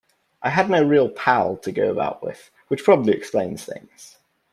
I had no real pal to go about with, which probably explains things.